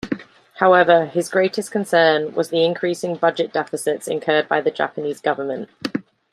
However, his greatest concern was the increasing budget deficits incurred by the Japanese government.